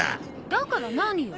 だから何よ？